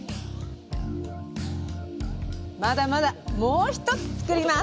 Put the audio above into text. まだまだ、もう一つ作ります！